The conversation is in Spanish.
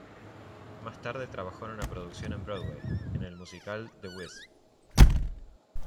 Más tarde trabajó en una producción en Broadway, en el musical "The Wiz".